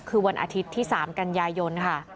คือวันอาทิตย์ที่๓กันยายนค่ะ